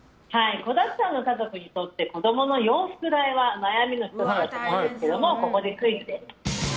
子だくさんの家族にとって子供の洋服代は悩みの１つだと思うんですがここでクイズです。